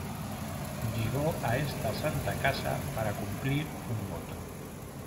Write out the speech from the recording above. llego a esta santa casa para cumplir un voto.